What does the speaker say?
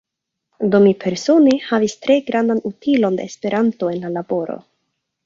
Do mi persone havis tre grandan utilon de Esperanto en la laboro.